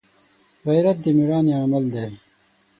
غیرت د مړانې عمل دی